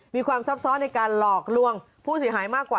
ซับซ้อนในการหลอกลวงผู้เสียหายมากกว่า